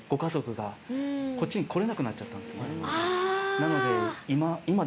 なので。